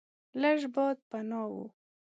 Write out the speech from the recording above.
لږ باد پناه و.